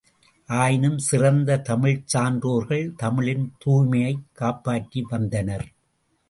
ஆயினும் சிறந்த தமிழ்ச் சான்றோர்கள் தமிழின் துய்மையைக் காப்பாற்றி வந்தனர்.